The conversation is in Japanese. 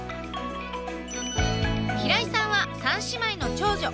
平井さんは三姉妹の長女。